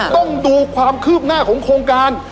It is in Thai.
ต้องดูความคืบหน้าของโครงการ